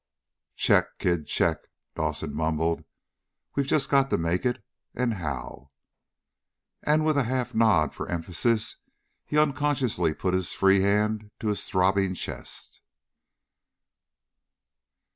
"Check, kid, check!" Dawson mumbled. "We've just got to make it, and how!" And with a half nod for emphasis he unconsciously put his free hand to his throbbing chest.